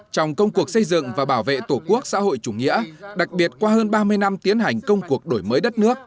trong công cuộc xây dựng và bảo vệ tổ quốc xã hội chủ nghĩa đặc biệt qua hơn ba mươi năm tiến hành công cuộc đổi mới đất nước